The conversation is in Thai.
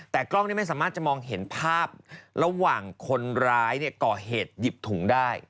แต่กล้องนี้ไม่สามารถจะมองเห็นภาพระหว่างคนร้ายก่อเหตุหยิบถุงได้